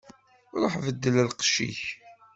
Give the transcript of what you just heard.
Ṛuḥ beddel lqecc-ik.